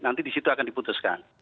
nanti disitu akan diputuskan